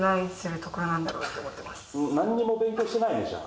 何にも勉強してないね